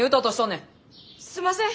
すんません！